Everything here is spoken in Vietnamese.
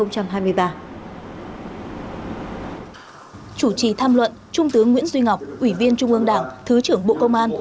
chủ trì tham luận trung tướng nguyễn duy ngọc ủy viên trung ương đảng thứ trưởng bộ công an